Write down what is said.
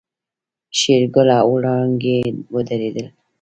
شېرګل او وړانګې ودرېدل.